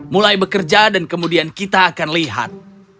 mulai bekerja dan kemudian kita akan lihat